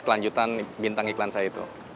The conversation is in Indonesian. kelanjutan bintang iklan saya itu